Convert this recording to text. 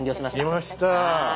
きました。